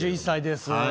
４１歳です。